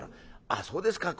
「あっそうですか。